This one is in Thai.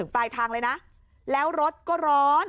ปลายทางเลยนะแล้วรถก็ร้อน